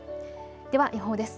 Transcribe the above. では予報です。